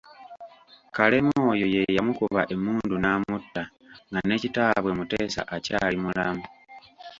Kalema oyo ye yamukuba emmundu n'amutta nga ne kitaabwe Mutesa akyali mulamu.